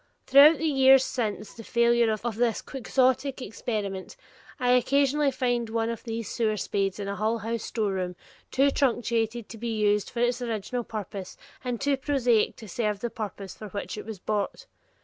Throughout the years since the failure of this Quixotic experiment, I occasionally find one of these sewer spades in a Hull House storeroom, too truncated to be used for its original purpose and too prosaic to serve the purpose for which it was bought.